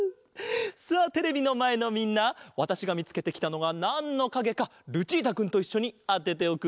さあテレビのまえのみんなわたしがみつけてきたのがなんのかげかルチータくんといっしょにあてておくれ！